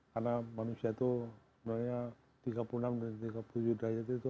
karena manusia itu sebenarnya tiga puluh enam dan tiga puluh tujuh tahun itu